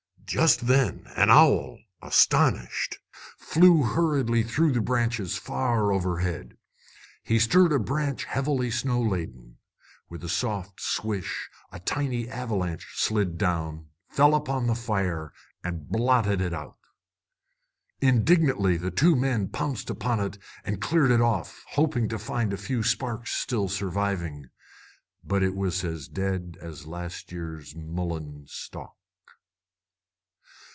Just then an owl, astonished, flew hurriedly through the branches far overhead. He stirred a branch heavily snow laden. With a soft swish a tiny avalanche slid down, fell upon the fire, and blotted it out. Indignantly the two men pounced upon it and cleared it off, hoping to find a few sparks still surviving. But it was as dead as a last year's mullein stalk.